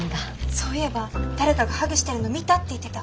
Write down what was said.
そういえば誰かがハグしてるの見たって言ってた。